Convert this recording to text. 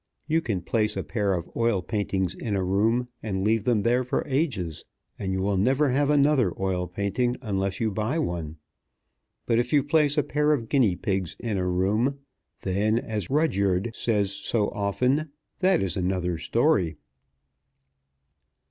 You can place a pair of oil paintings in a room, and leave them there for ages, and you will never have another oil painting unless you buy one; but if you place a pair of guinea pigs in a room then, as Rudyard says so often, that is another story.